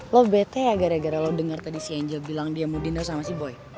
lo bete ya gara gara lo dengar tadi si angel bilang dia mau dinor sama si boy